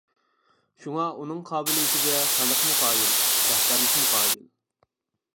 شۇڭا ئۇنىڭ قابىلىيىتىگە خەلقمۇ قايىل، رەھبەرلىكمۇ قايىل.